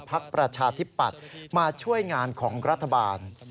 ประชาธิปัตย์มาช่วยงานของรัฐบาล